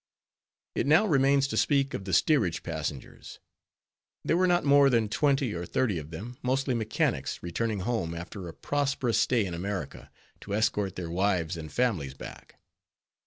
It now remains to speak of the steerage passengers. There were not more than twenty or thirty of them, mostly mechanics, returning home, after a prosperous stay in America, to escort their wives and families back.